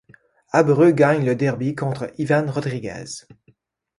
Abreu gagne le Derby contre Iván Rodríguez.